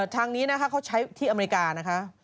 ทางนี้นะคะเขาใช้ที่อเมริกานะคะ